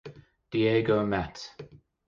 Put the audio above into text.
Diego Mat.